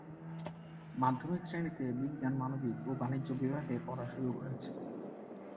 মাধ্যমিক শ্রেনীতে বিজ্ঞান, মানবিক ও বাণিজ্য বিভাগে পড়ার সুযোগ রয়েছে।